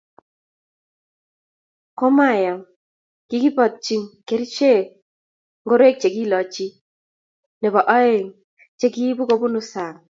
ku mayam, kikipiitji kerichek ngoroik che kilochi nebo oeng' che kiibu kubunu sang'